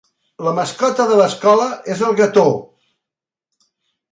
La mascota de l'escola és el Gator.